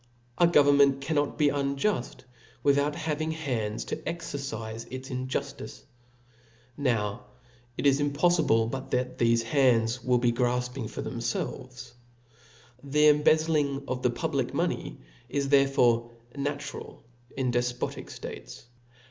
•A government cannot be unjuft, without having hands to exencife its injuftice. Now it is impofli blebut thefc hands will be grafping for themfelves. The embezzling of the public pioney is therefore natural in defpbtic ftates.